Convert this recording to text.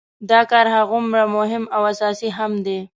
دا کار هماغومره مهم او اساسي هم دی.